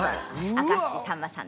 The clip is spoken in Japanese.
明石家さんまさん。